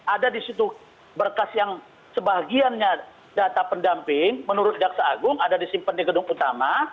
ada di situ berkas yang sebagiannya data pendamping menurut jaksa agung ada disimpan di gedung utama